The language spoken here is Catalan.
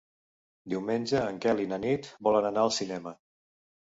Diumenge en Quel i na Nit volen anar al cinema.